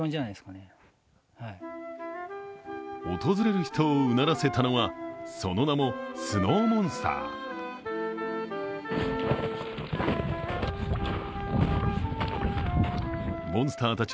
訪れる人をうならせたのはその名もスノーモンスター。